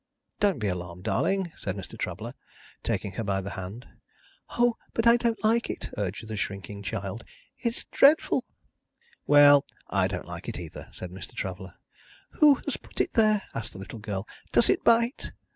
"Don't be alarmed, darling!" said Mr. Traveller, taking her by the hand. "Oh, but I don't like it!" urged the shrinking child; "it's dreadful." "Well! I don't like it either," said Mr. Traveller. "Who has put it there?" asked the little girl. "Does it bite?"